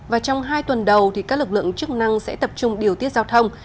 và trong hai tuần đầu các lực lượng chức năng sẽ tập trung điều tiết giao thông